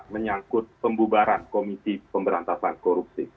menyangkut pembubaran komisi pemberantasan korupsi